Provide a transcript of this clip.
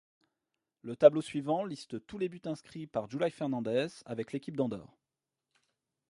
Le tableau suivant liste tous les buts inscrits par Juli Fernández avec l'équipe d'Andorre.